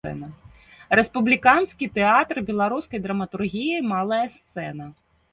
Рэспубліканскі тэатр беларускай драматургіі, малая сцэна.